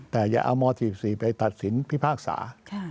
แต่อย่าเอาม๔๔ไปตัดสินพิพากษา